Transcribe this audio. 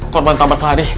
korban tambah pelari